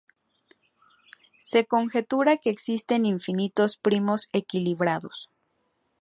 Se conjetura que existen infinitos primos equilibrados.